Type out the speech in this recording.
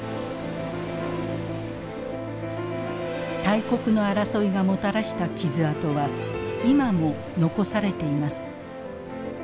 大国の争いがもたらした傷痕は今も残されています。